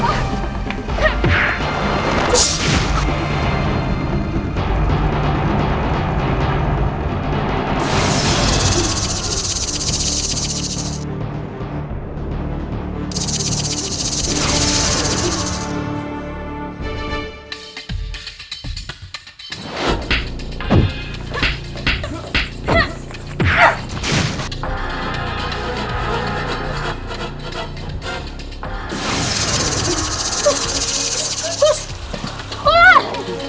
bawa ke balai pengubatan